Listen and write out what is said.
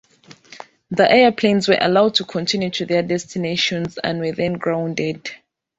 The airplanes were allowed to continue to their destinations and were then grounded.